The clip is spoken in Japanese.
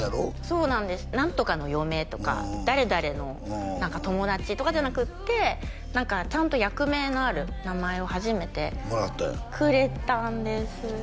そうなんです何とかの嫁とか誰々の友達とかじゃなくって何かちゃんと役名のある名前を初めてもらったんやくれたんです